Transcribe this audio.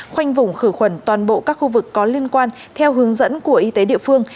khoanh vùng khử khuẩn toàn bộ các khu vực có liên quan theo hướng dẫn của y tế địa phương